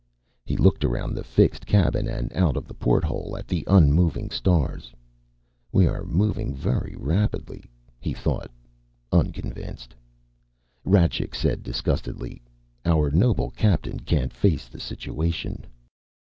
He looked around the fixed cabin and out the porthole at the unmoving stars. We are moving very rapidly, he thought, unconvinced. Rajcik said disgustedly, "Our noble captain can't face the situation."